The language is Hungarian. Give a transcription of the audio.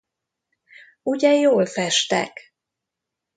Ugye, jól festek?